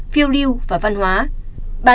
phiêu lưu và văn hóa